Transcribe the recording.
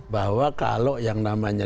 bahwa kalau yang namanya